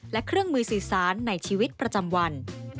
และเครื่องมือสื่อสารในชีวิตประจำวัน